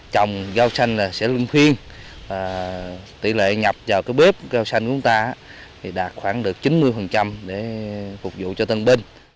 chồng rau xanh sẽ linh khuyên tỷ lệ nhập vào bếp rau xanh của chúng ta đạt khoảng được chín mươi để phục vụ cho tân binh